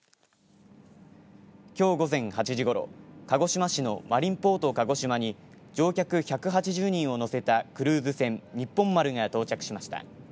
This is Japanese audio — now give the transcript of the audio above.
きょう午前８時ごろ鹿児島市のマリンポートかごしまに乗客１８０人を乗せたクルーズ船にっぽん丸が到着しました。